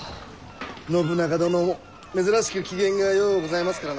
信長殿も珍しく機嫌がようございますからな。